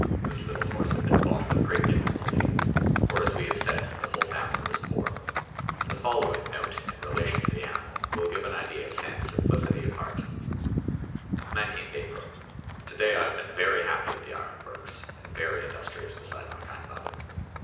This little horse had been bought with great difficulty; for, as we have said, the whole family was poor. The following note, in relation to the animal, will give an idea of Sand's simplicity of heart:— "19th April "To day I have been very happy at the ironworks, and very industrious beside my kind mother.